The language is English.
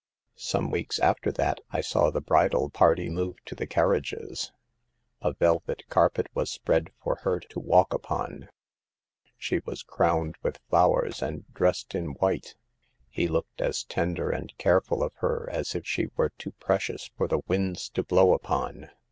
" 6 Some weeks after that I saw the bridal party move to the carriages, A velvet carpet was spread for her to walk upon ; she was crowned with flowers and dressed in white. He looked as tender and careful of her as if she were too precious for the winds to blow upon.